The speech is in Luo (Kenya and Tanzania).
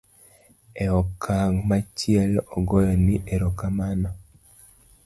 e okang' machielo agoyo ni erokamano